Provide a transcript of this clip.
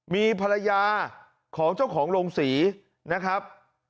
มีภรรยาของเจ้าของโรงศรีนะครับ